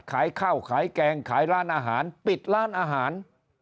ขายข้าวขายแกงขายร้านอาหารปิดร้านอาหาร